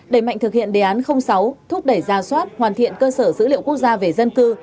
đẩy mạnh thực hiện đề án sáu thúc đẩy ra soát hoàn thiện cơ sở dữ liệu quốc gia về dân cư